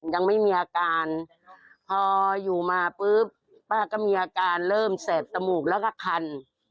ยังไม่มีอาการพออยู่มาปุ๊บป้าก็มีอาการเริ่มแสบจมูกแล้วก็คัน